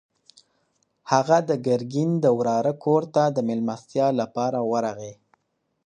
هغه د ګرګین د وراره کور ته د مېلمستیا لپاره ورغی.